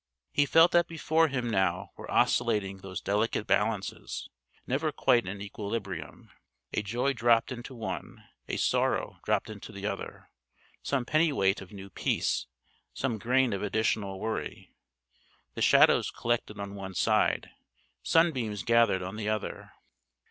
He felt that before him now were oscillating those delicate balances, never quite in equilibrium: a joy dropped into one, a sorrow dropped into the other some pennyweight of new peace, some grain of additional worry! The shadows collected on one side, sunbeams gathered on the other.